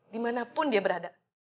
dimanapun dia berada